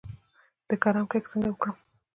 د کرم کښت څنګه وکړم؟